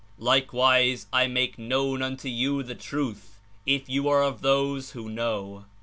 Likewise I make known unto you the truth, if you are of those who know."